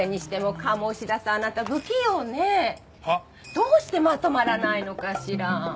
どうしてまとまらないのかしら？